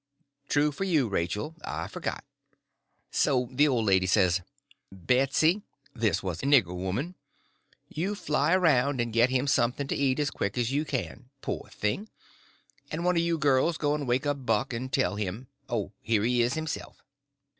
"True for you, Rachel—I forgot." So the old lady says: "Betsy" (this was a nigger woman), "you fly around and get him something to eat as quick as you can, poor thing; and one of you girls go and wake up Buck and tell him—oh, here he is himself.